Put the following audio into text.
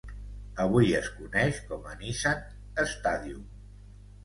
Avui es coneix com a Nissan Stadium.